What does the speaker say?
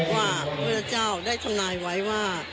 ว่าพระเจ้าได้ทำนายไว้ว่า